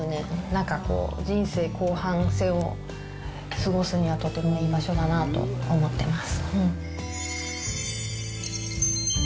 なんかこう、人生後半戦を過ごすにはとてもいい場所だなと思ってます。